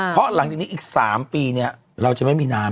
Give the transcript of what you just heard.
เพราะหลังจากนี้อีก๓ปีเนี่ยเราจะไม่มีน้ำ